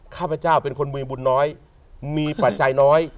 ข้าพเจ้าเป็นคนมือบุญน้อยมีปัจจัยน้อย